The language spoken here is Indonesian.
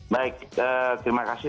baik terima kasih